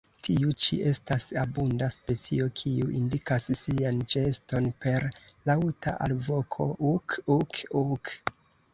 Tiu ĉi estas abunda specio, kiu indikas sian ĉeeston per laŭta alvoko "uk-uk-uk".